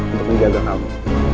untuk menjaga kamu